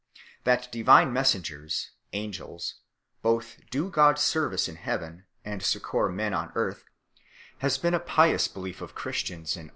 That divine messengers, angels, both do God service in Heaven and succour men on earth has been a pious belief 1 De Monogamia, c.